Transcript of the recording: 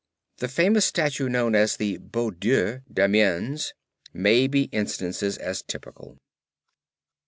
The famous statue known as the Beau Dieu d'Amiens may be instanced as typical."